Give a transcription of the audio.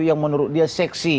yang menurut dia seksi